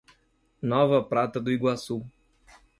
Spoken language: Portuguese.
Nova Prata do Iguaçu